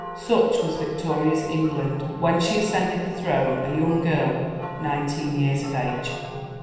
Such was Victoria's England when she ascended the throne, a young girl, nineteen years of age.